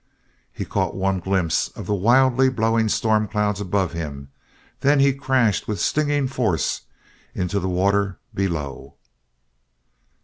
He caught one glimpse of the wildly blowing storm clouds above him, then he crashed with stinging force into the water below.